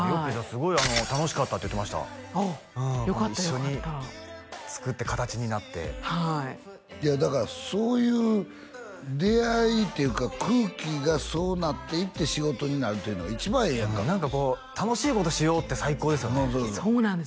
すごい楽しかったって言ってましたうん一緒に作って形になってはいいやだからそういう出会いっていうか空気がそうなっていって仕事になるっていうのが一番ええやんか何かこう楽しいことしようって最高ですよね